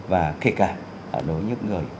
và kể cả đối với những người